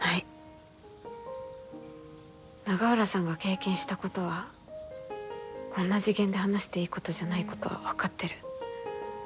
永浦さんが経験したことはこんな次元で話していいことじゃないことは分かってる。